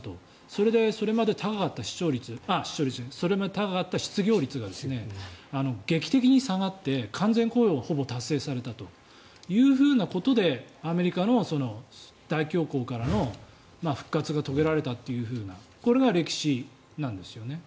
それでそれまで高かった失業率が劇的に下がって、完全雇用をほぼ達成されたというふうなことでアメリカの大恐慌からの復活が遂げられたというふうなこれが歴史なんですよね。